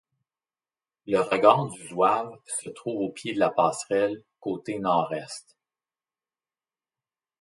Le regard du Zouave se trouve au pied de la passerelle, côté nord-est.